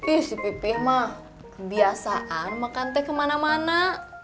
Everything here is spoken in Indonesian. isi pipih mah kebiasaan makan teh kemana mana